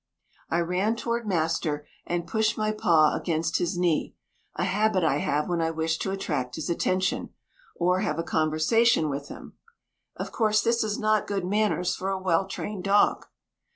I ran toward master, and pushed my paw against his knee a habit I have when I wish to attract his attention, or have a conversation with him. Of course, this is not good manners for a well trained dog.